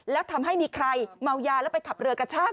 แล้วทำให้มีใครเมายาแล้วไปขับเรือกระชาก